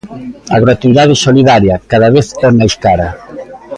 A "gratuidade solidaria" cada vez é máis cara.